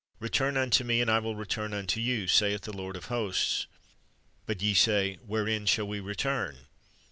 Return unto Me, and I will return unto you, saith the Lord of hosts. But ye .said, Wherein shall we return